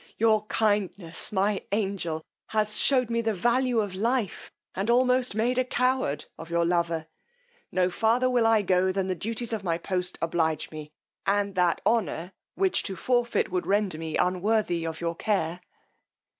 Your kindness, my angel, has shewed me the value of life, and almost made a coward of your lover: no farther will I go than the duties of my post oblige me, and that honour, which to forfeit, would render me unworthy of your care.